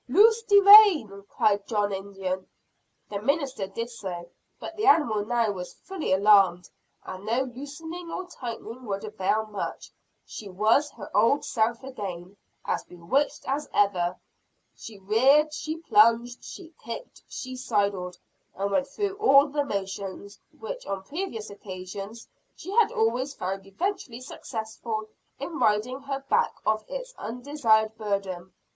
"Loose de rein!" cried John Indian. The minister did so. But the animal now was fully alarmed; and no loosening or tightening would avail much. She was her old self again as bewitched as ever. She reared, she plunged, she kicked, she sidled, and went through all the motions, which, on previous occasions, she had always found eventually successful in ridding her back of its undesired burden.